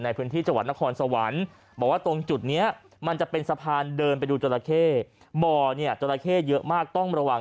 น้ำปังน้ำปังน้ำปังน้ำปังน้ำปังน้ำปังน้ำปัง